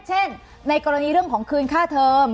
เช่นในกรณีเรื่องของคืนค่าเทอม